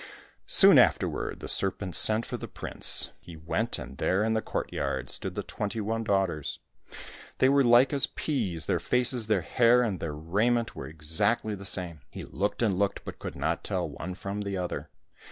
Soon afterward the serpent sent for the prince. 279 COSSACK FAIRY TALES He went, and there in the courtyard stood the twenty one daughters. They were as Uke as peas, their faces, their hair, and their raiment were exactly the same. He looked and looked, but could not tell one from the other.